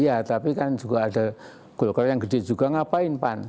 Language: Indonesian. iya tapi kan juga ada golkar yang gede juga ngapain pan